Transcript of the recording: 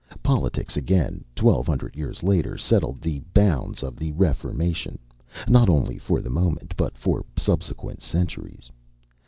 Politics again, twelve hundred years later, settled the bounds of the Reformation, not only for the moment, but for subsequent centuries.